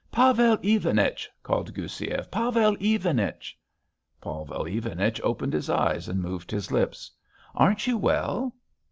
"Pavel Ivanich!" called Goussiev, "Pavel Ivanich." Pavel Ivanich opened his eyes and moved his lips. "Aren't you well?"